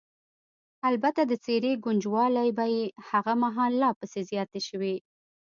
البته د څېرې ګونجوالې به یې هغه مهال لا پسې زیاتې شوې.